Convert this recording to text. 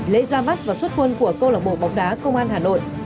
lễ ra mắt và xuất quân của công an hà nội